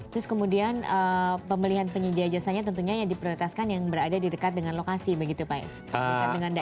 terus kemudian pembelian penyedia jasanya tentunya yang diprioritaskan yang berada di dekat dengan lokasi begitu pak ya